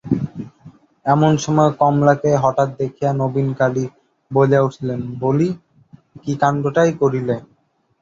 এমন সময় কমলাকে হঠাৎ দেখিয়া নবীনকালী বলিয়া উঠিলেন, বলি, কী কাণ্ডটাই করিলে?